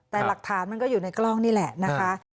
แต่หลักฐานมันก็อยู่ในกล้องนี่แหละนะคะ